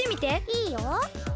いいよ？